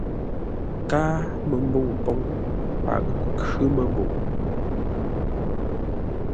Káa məmbəu póŋ, paghʼə khʉ́ məmbəu.